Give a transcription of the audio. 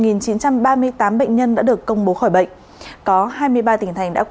có hai mươi ba tỉnh thành đã qua một mươi bốn ngày không ghi nhận trường hợp mắc mới trong cộng đồng